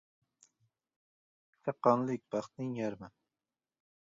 • Chaqqonlik ― baxtning yarmi.